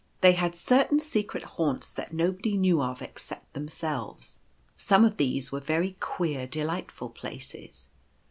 They had certain secret haunts that nobody knew of except themselves. Some of these were very queer, delightful places.